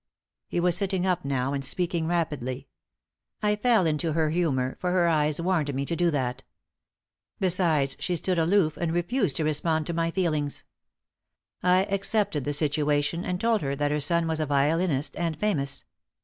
He was sitting up now, and speaking rapidly. "I fell into her humour, for her eyes warned me to do that. Besides, she stood aloof, and refused to respond to my feelings. I accepted the situation, and told her that her son was a violinist and famous.